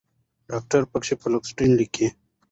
ډاکټران پکښې فلوکسیټين لیکي